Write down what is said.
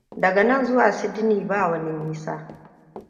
Daga nan zuwa Sydey ba wani nisa.